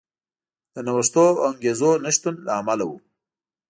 د نوښتونو او انګېزو نشتون له امله و.